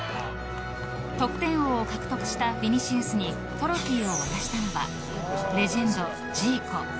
得点王を獲得したヴィニシウスにトロフィーを渡したのはレジェンド・ジーコ。